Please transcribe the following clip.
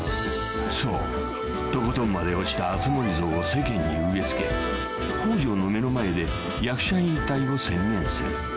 ［そうとことんまで落ちた熱護像を世間に植え付け北條の目の前で役者引退を宣言する］